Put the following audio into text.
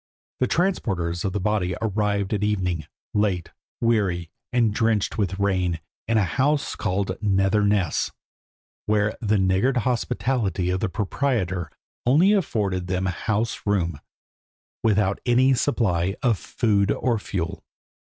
The transporters of the body arrived at evening, late, weary, and drenched with rain, in a house called Nether Ness, where the niggard hospitality of the proprietor only afforded them house room, without any supply of food or fuel.